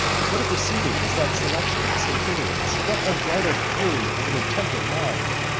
What a proceeding was that selection of the centurions! What unbridled fury of an intemperate mind!